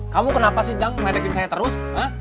kamu kenapa sih dang meledakin saya terus